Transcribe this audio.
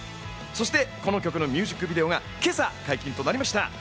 そしてこの曲のミュージックビデオが今朝、解禁となりました。